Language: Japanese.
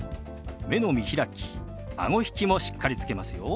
目の見開きあご引きもしっかりつけますよ。